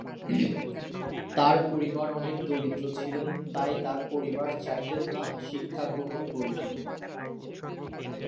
তার পরিবার অনেক দরিদ্র ছিলেন তাই তার পরিবার চাইতেন না শিক্ষাগ্রহণ করুক।